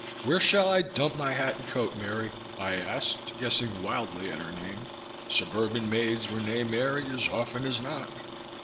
"Where shall I dump my hat and coat, Mary?" I asked guessing wildly at her name. Suburban maids were named Mary as often as not.